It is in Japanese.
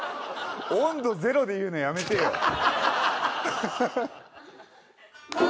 温度ゼロで言うのやめてよ。